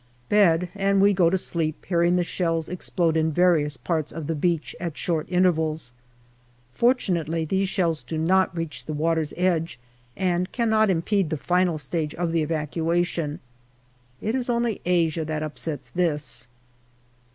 Bed, and we go to sleep hearing the shells explode in various parts of the beach at short intervals. Fortunately these shells do not reach the water's edge and cannot impede the final stage of the evacuation. It is only Asia that upsets this.